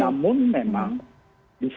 namun memang disinilah penegakan praktik